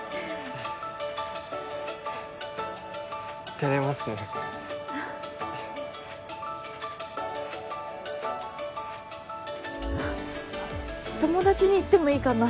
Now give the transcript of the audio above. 照れますね友達に言ってもいいかな？